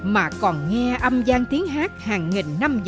mà còn nghe âm giang tiếng hát hàng nghìn năm dài